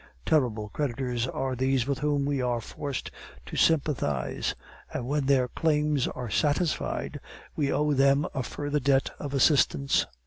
Terrible creditors are these with whom we are forced to sympathize, and when their claims are satisfied we owe them a further debt of assistance.